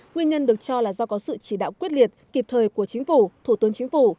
nguyên nhân được cho là do có sự chỉ đạo quyết liệt kịp thời của chính phủ thủ tướng chính phủ